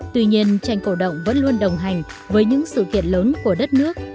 tuy nhiên tranh cổ động vẫn luôn đồng hành với những sự kiện lớn của đất nước